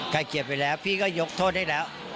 เกลียดไปแล้วพี่ก็ยกโทษได้แล้ว